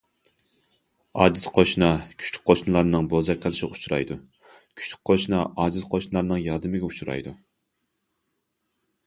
ئاجىز قوشنا كۈچلۈك قوشنىلارنىڭ بوزەك قىلىشىغا ئۇچرايدۇ، كۈچلۈك قوشنا ئاجىز قوشنىلارنىڭ ياردىمىگە ئۇچرايدۇ.